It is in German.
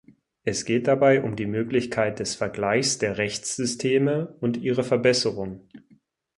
Es geht dabei um die Möglichkeit des Vergleichs der Rechtssysteme und ihre Verbesserung.